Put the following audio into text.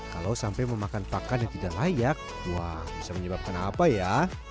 kalau sampai memakan pakan yang tidak layak wah bisa menyebabkan apa ya